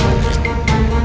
ini bos kejaban